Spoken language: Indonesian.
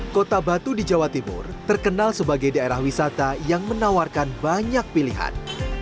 kota batu di jawa timur terkenal sebagai daerah wisata yang menawarkan banyak pilihan